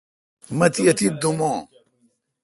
مہ تی اتیت دوم اں